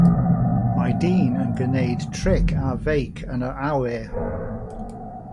Mae dyn yn gwneud tric ar feic yn yr awyr.